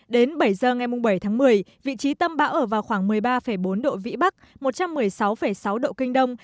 đến bảy giờ ngày bảy tháng một mươi vị trí tâm bão ở vào khoảng một mươi ba bốn độ vĩ bắc một trăm một mươi sáu sáu độ kinh đông